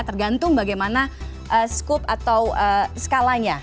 tergantung bagaimana skup atau skalanya